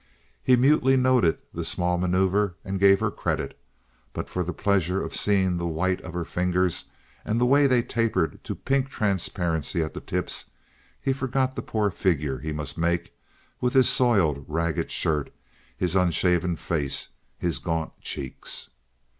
He mutely noted the small maneuver and gave her credit; but for the pleasure of seeing the white of her fingers and the way they tapered to a pink transparency at the tips, he forgot the poor figure he must make with his soiled, ragged shirt, his unshaven face, his gaunt cheeks.